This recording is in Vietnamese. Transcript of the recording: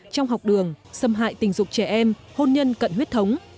trong học đường xâm hại tình dục trẻ em hôn nhân cận huyết thống